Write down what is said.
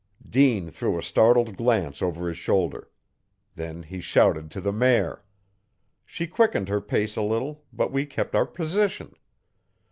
Dean threw a startled glance over his shoulder. Then he shouted to the mare. She quickened her pace a little but we kept our position.